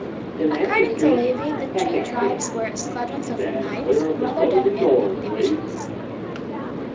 According to Livy, the three "tribes" were squadrons of knights, rather than ethnic divisions.